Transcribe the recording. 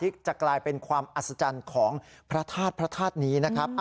ที่จะกลายเป็นความอัศจรรย์ของพระธาตุนี้นะครับ